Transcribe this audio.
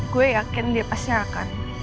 gue yakin dia pasti akan